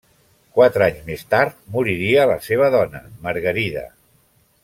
Quatre anys més tard moriria la seva dona, Margarida.